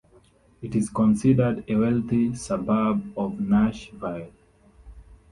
It is considered a wealthy suburb of Nashville.